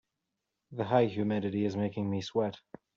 The high humidity is making me sweat.